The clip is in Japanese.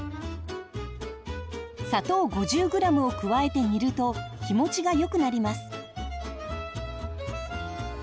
砂糖５０ｇを加えて煮ると日持ちがよくなります。